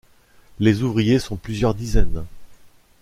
Les ouvriers sont plusieurs dizaines.